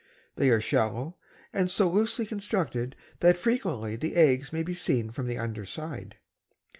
They are shallow and so loosely constructed that frequently the eggs may be seen from the underside.